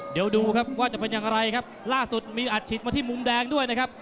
เดี๋ยวดูครับว่าจะเป็นอย่างไรครับล่าสุดมีอัดฉีดมาที่มุมแดงด้วยนะครับ